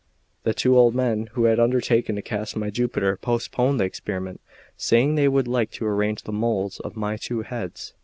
The two old men who had undertaken to cast my Jupiter postponed the experiment, saying they would like to arrange the moulds of my two heads.